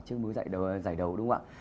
chưa mới giải đầu đúng không ạ